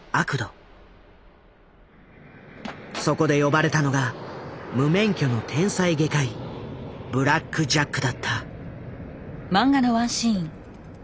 そこで呼ばれたのが無免許の天才外科医ブラック・ジャックだった。